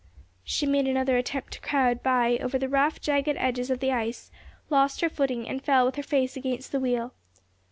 She made another attempt to crowd by over the rough, jagged edges of the ice, lost her footing, and fell with her face against the wheel.